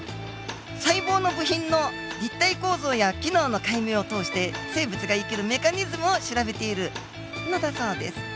「細胞の部品の立体構造や機能の解明を通して生物が生きるメカニズムを調べている」のだそうです。